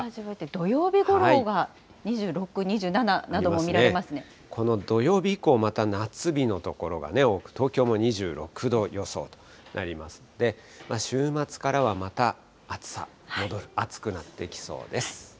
土曜日ごろが２６、この土曜日以降、また夏日の所が多く、東京も２６度予想となりますので、週末からはまた暑さ戻る、暑くなっていきそうです。